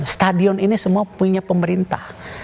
stadion ini semua punya pemerintah